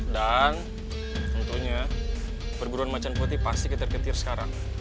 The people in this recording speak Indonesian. dan tentunya perguruan macem putih pasti ketikir ketir sekarang